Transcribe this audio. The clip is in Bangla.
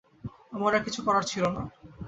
আমার আর কিছু করার ছিল না!